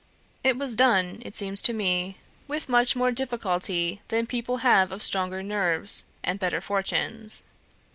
It was done, it seems to me, with much more difficulty than people have of stronger nerves, and better fortunes.